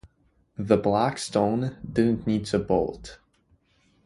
The Black Stone didn’t need to bolt.